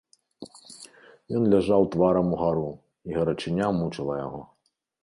Ён ляжаў тварам угару, і гарачыня мучыла яго.